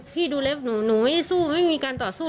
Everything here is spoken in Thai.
พี่ดูเล็บหนูหนูไม่ได้สู้ไม่มีการต่อสู้